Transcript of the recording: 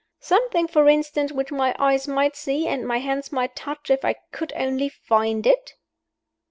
"Something, for instance, which my eyes might see and my hands might touch if I could only find it?"